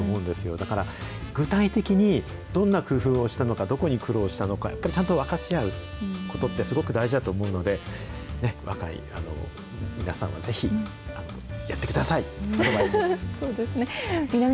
だから、具体的にどんな工夫をしたのか、どこに苦労したのか、やっぱりちゃんと分かち合うことってすごく大事だと思うので、若い皆さんはぜひ、やってください。